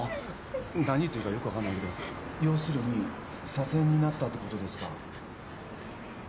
何言ってるかよく分かんないけど要するに左遷になったってことですか？